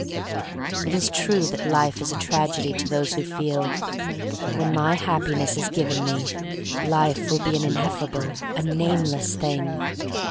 It is true that life is a tragedy to those who feel. When my Happiness is given me life will be an ineffable, a nameless thing.